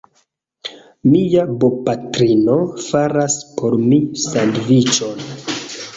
Mia bopatrino faras por mi sandviĉon.